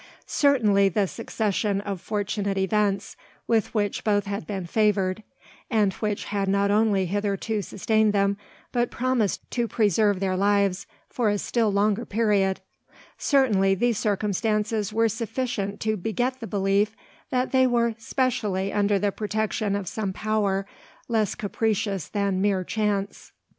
Certainly, the succession of fortunate events with which both had been favoured, and which had not only hitherto sustained them, but promised to preserve their lives for a still longer period, certainly, these circumstances were sufficient to beget the belief that they were specially under the protection of some power less capricious than mere chance.